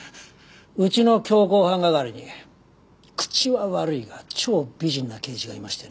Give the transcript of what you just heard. うちの強行犯係に口は悪いが超美人な刑事がいましてね。